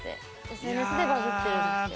ＳＮＳでバズってるんですけど。